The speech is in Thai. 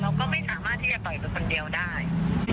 เราก็ไม่สามารถที่จะต่อยไปคนเดียวได้